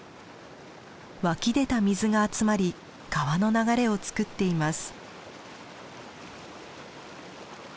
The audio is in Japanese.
湧き出た水が集まり川の流れを作っています。